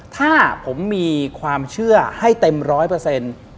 ถ้าผมมีความเชื่อให้เต็มร้อยเปอร์เซ็นต์